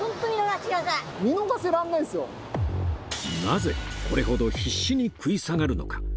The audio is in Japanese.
なぜこれほど必死に食い下がるのか？